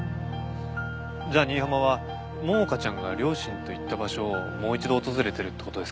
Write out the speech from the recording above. じゃあ新浜は桃香ちゃんが両親と行った場所をもう一度訪れてるって事ですか？